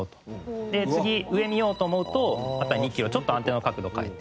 で次上見ようと思うとまた２キロちょっとアンテナの角度を変えて。